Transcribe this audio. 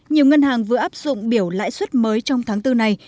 nhiều ngân hàng vừa áp dụng biểu lãi suất mới trong tháng bốn này